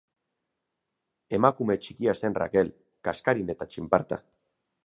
Emakume txikia zen Rakel, kaskarin eta txinparta.